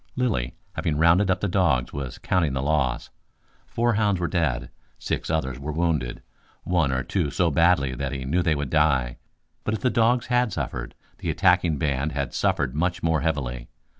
Lilly, having rounded up the dogs, was counting the loss. Four hounds were dead. Six others were wounded, one or two so badly that he knew they would die. But if the dogs had suffered, the attacking band had suffered much more heavily.